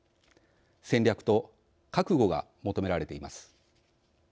戦略と覚悟が求められています。